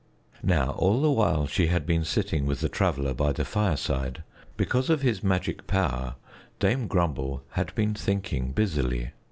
Now all the while she had been sitting with the Traveler by the fireside, because of his magic power, Dame Grumble had been thinking busily.